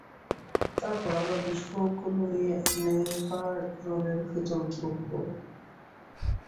তারপর আমরা বিস্ফোরকগুলো নিয়ে ন্যাভারোনের ভিতর ঢুকবো।